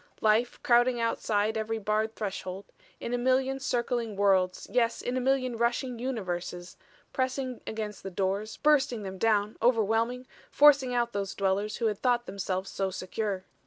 "Life crowding outside every barred threshold in a million circling worlds, yes, in a million rushing universes; pressing against the doors, bursting them down, overwhelming, forcing out those dwellers who had thought themselves so secure.